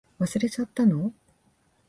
忘れちゃったの？